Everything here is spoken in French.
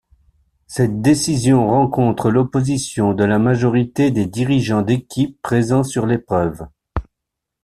Cette décision rencontre l'opposition de la majorité des dirigeants d'équipes présents sur l'épreuve.